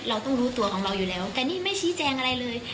เราต้องรู้ตัวของเราอยู่แล้วแต่นี่ไม่ชี้แจงอะไรเลย